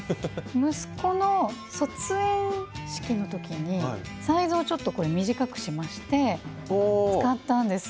息子の卒園式の時にサイズをちょっとこれ短くしまして使ったんです。